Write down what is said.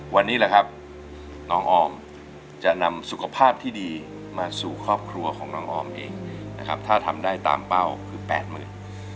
วันนี้แหละครับน้องออมจะนำสุขภาพที่ดีมาสู่ครอบครัวของน้องออมเองนะครับถ้าทำได้ตามเป้าคือแปดหมื่น